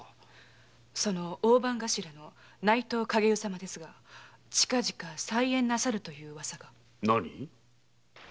その大番頭の内藤様ですが近々再縁なさるというウワサが。